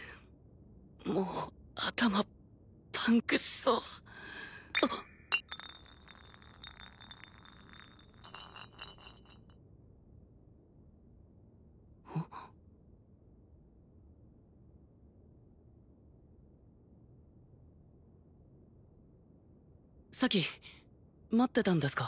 もう頭パンクしそうあっ咲待ってたんですか？